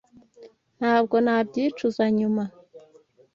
Ntabwo nabyicuza nyuma.